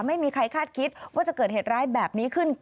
ไม่มีใครคาดคิดว่าจะเกิดเหตุร้ายแบบนี้ขึ้น